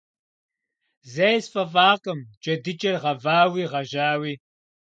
Зэи сфӏэфӏакъым джэдыкӏэр гъэвауи гъэжьауи.